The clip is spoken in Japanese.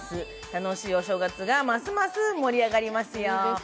楽しいお正月がますます盛り上がりますよ。